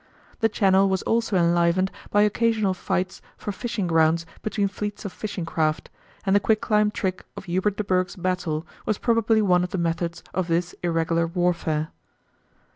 The Channel was also enlivened by occasional fights for fishing grounds between fleets of fishing craft, and the quicklime trick of Hubert de Burgh's battle was probably one of the methods of this irregular warfare.